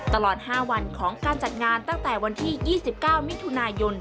ตลอด๕วันของการจัดงานตั้งแต่วันที่๒๙มิถุนายน